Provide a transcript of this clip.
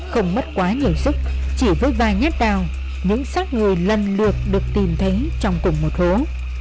không mất quá nhiều sức chỉ với vài nhát đào những sắc người lần lượt được tìm thấy trong cùng một hố